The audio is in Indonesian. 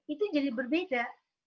itu jadi berbeda